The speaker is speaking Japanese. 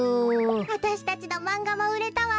わたしたちのマンガもうれたわ。